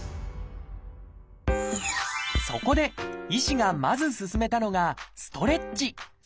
そこで医師がまず勧めたのがストレッチ。